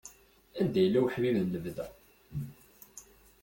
Anda yella uḥbib n lebda.